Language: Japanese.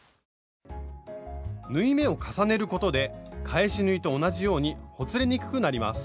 縫い目を重ねることで返し縫いと同じようにほつれにくくなります。